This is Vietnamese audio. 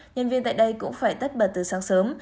nhân viên tại đây cũng phải tất bật từ sáng sớm